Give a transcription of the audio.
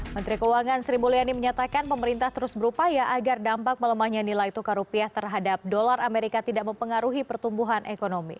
menteri keuangan sri mulyani menyatakan pemerintah terus berupaya agar dampak melemahnya nilai tukar rupiah terhadap dolar amerika tidak mempengaruhi pertumbuhan ekonomi